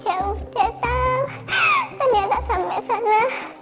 jauh datang ternyata sampai sana